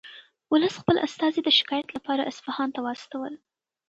ولس خپل استازي د شکایت لپاره اصفهان ته واستول.